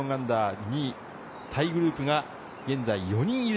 ２位タイグループが現在４人いる。